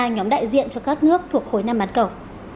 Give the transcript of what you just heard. nhóm đại diện cho các nước thuộc khối nam bắc cầu